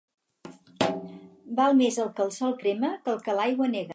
Val més el que el sol crema que el que l'aigua nega.